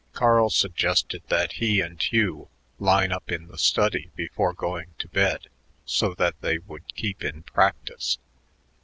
Carl suggested that he and Hugh line up in the study before going to bed so that they would keep in practice.